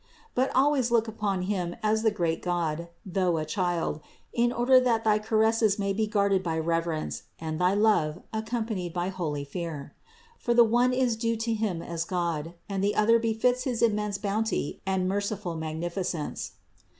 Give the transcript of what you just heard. But always look upon Him as the great God, though a Child, in order that thy caresses may be guarded by reverence and thy love accompanied by holy fear; for the one is due to Him as God, and the other befits his immense bounty and merciful magnificence.